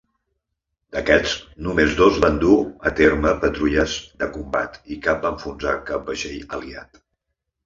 D'aquests, només dos van dur a terme patrulles de combat i cap va enfonsar cap vaixell aliat.